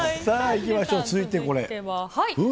さあ、いきましょう、続いてはこれ。